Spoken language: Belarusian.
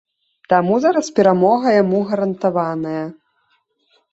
Таму зараз перамога яму гарантаваная.